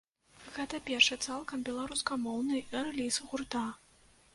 Гэта першы цалкам беларускамоўны рэліз гурта.